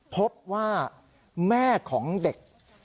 พบว่าแม่ของเด็ก